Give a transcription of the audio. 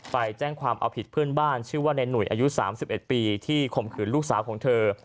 ไปแจ้งความเอาผิดเพื่อนบ้านชื่อว่าในหนุ่ยอายุ๓๑ปีที่ข่มขืนลูกสาวของเธอ